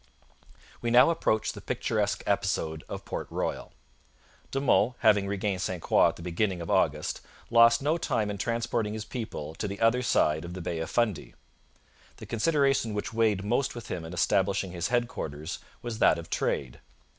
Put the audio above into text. We now approach the picturesque episode of Port Royal. De Monts, having regained St Croix at the beginning of August, lost no time in transporting his people to the other side of the Bay of Fundy. The consideration which weighed most with him in establishing his headquarters was that of trade.